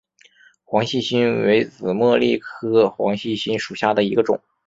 黄细心为紫茉莉科黄细心属下的一个种。